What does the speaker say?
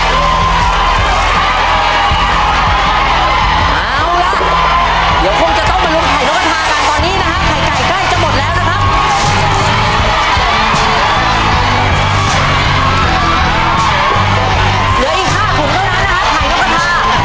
เอาล่ะเดี๋ยวคงจะต้องมาลงไข่นกระทากันตอนนี้นะฮะ